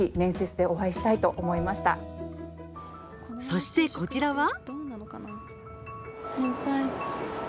そして、こちらは。